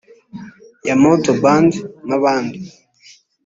Yamoto Band n’abandi